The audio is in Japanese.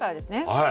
はい。